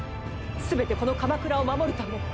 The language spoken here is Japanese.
全てこの鎌倉を守るため。